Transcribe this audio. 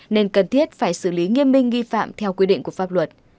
nên cần thiết phải xử lý nghiêm minh nghi phạm theo quy định của pháp luật